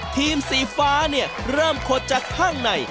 ทีมสีฟ้าเริ่มขดจากข้างใน